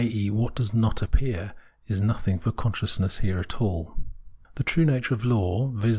e. what does not appear, is nothing for consciousness here at all. The true nature of law, viz.